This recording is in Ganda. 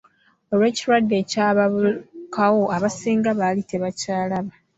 Olw'ekirwadde ekyabalukawo abasinga baali tebakyalaba.